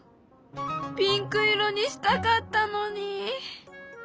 ピンク色にしたかったのに。